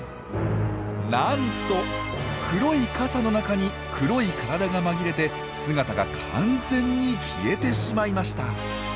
なんと黒い傘の中に黒い体が紛れて姿が完全に消えてしまいました！